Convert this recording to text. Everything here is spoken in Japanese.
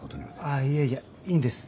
あっいやいやいいんです。